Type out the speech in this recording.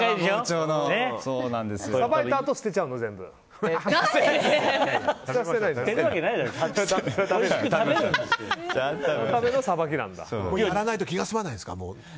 さばいたあと捨てるわけねえだろ！やらないと気が済まないんですか。